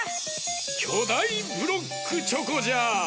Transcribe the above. きょだいブロックチョコじゃ！